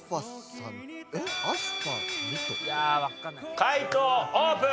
解答オープン！